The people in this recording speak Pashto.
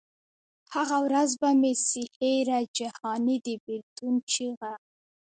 هغه ورځ به مي سي هېره جهاني د بېلتون چیغه